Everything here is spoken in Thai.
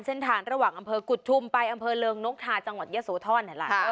เส้นทางระหว่างอำเภอกุธุมไปอำเภอเริงนกทาจังหวัดเย้าโสธร